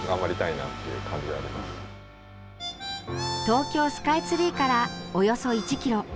東京スカイツリーからおよそ１ｋｍ。